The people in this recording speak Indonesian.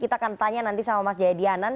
kita akan tanya nanti sama mas jayadi hanan